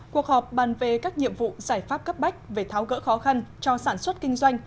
cuộc họp bàn về các nhiệm vụ giải pháp cấp bách về tháo gỡ khó khăn cho sản xuất kinh doanh